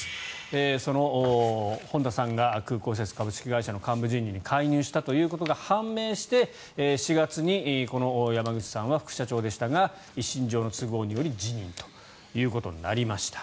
その本田さんが空港施設株式会社の幹部人事に介入したということが判明して４月に山口さんは副社長でしたが一身上の都合により辞任ということになりました。